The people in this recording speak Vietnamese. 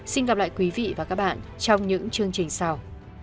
xin gặp lại quý vị và các bạn trong những chương trình sau